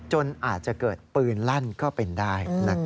จนอาจจะเกิดปืนลั่นก็เป็นได้